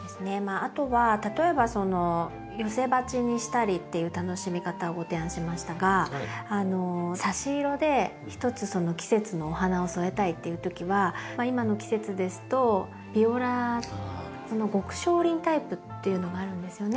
あとは例えば寄せ鉢にしたりっていう楽しみ方をご提案しましたが差し色でひとつその季節のお花を添えたいっていうときは今の季節ですとビオラの極小輪タイプっていうのがあるんですよね。